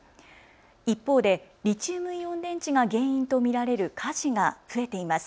一方でリチウムイオン電池が原因と見られる火事が増えています。